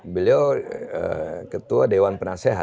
beliau ketua dewan penasehat